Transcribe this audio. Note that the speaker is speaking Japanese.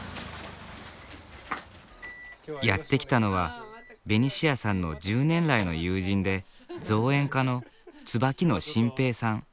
やって来たのはベニシアさんの１０年来の友人で造園家の椿野晋平さん。